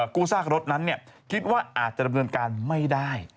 กู้ซากรถนั้นคิดว่าอาจจะดำเนินการไม่ได้